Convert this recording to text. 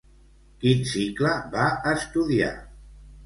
Quin cicle va estudiar?